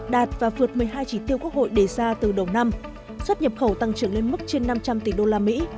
đạt và vượt một mươi hai chỉ tiêu quốc hội đề ra từ đầu năm sắp nhập khẩu tăng trưởng lên mức trên năm trăm linh tỷ usd